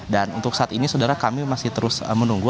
dan untuk saat ini saudara kami masih terus menunggu